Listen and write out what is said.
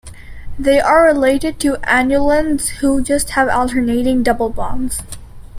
They are related to annulenes who have just alternating double bonds.